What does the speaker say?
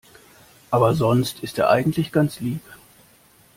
Aber sonst ist er eigentlich ganz lieb.